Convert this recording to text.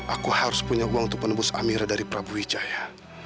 aku harus punya uang untuk menembus amira dari prabu wijaya